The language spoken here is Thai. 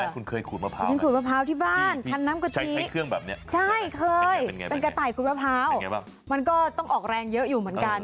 คุณเคยไหมคุณเคยขูดมะพร้าวไหมใช่เคยเป็นกระไตขูดมะพร้าวมันก็ต้องออกแรงเยอะอยู่เหมือนกัน